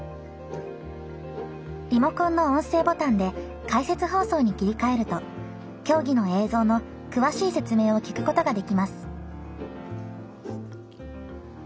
リモコンの音声ボタンで解説放送に切り替えると競技の映像の詳しい説明を聞くことができます。